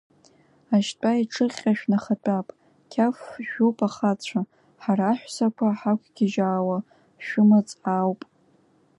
Ашьтәа еиҿыҟьҟьа шәнахатәап, қьаф жәуп ахацәа, ҳара аҳәсақәа ҳақәгьежьаауа шәымаҵ аауп.